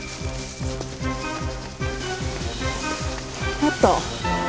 あった。